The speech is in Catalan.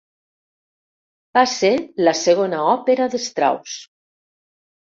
Va ser la segona òpera de Strauss.